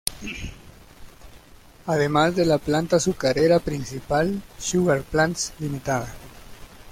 Además de la planta azucarera principal Sugar Plants Ltd.